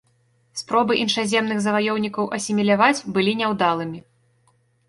Спробы іншаземных заваёўнікаў асіміляваць былі няўдалымі.